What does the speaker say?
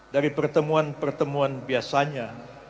dari pertemuan pertemuan biasanya